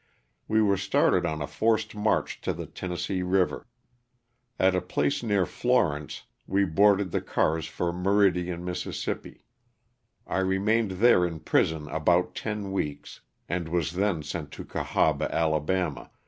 We were started on a forced march to the Tennessee river. At a place near Florence, we boarded the cars for Meridian, Miss. I remained there in prison about ten weeks and was then sent to Cahaba, Ala.